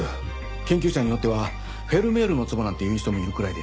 研究者によっては「フェルメールの壺」なんて言う人もいるくらいで。